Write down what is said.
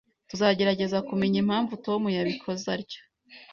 Tuzagerageza kumenya impamvu Tom yabikoze atyo